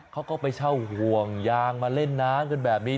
เขาก็ไปเช่าห่วงยางมาเล่นน้ำกันแบบนี้